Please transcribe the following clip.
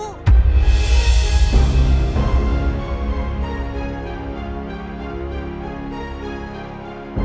aku gak mau